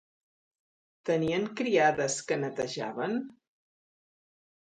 Tenien criades que netejaven?